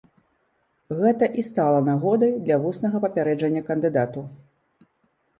Гэта і стала нагодай для вуснага папярэджання кандыдату.